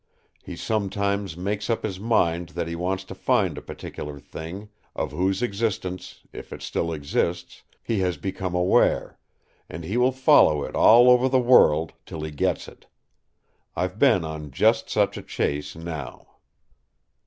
He sometimes makes up his mind that he wants to find a particular thing, of whose existence—if it still exists—he has become aware; and he will follow it all over the world till he gets it. I've been on just such a chase now."